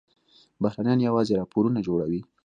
بهرنیان یوازې راپورونه جوړوي.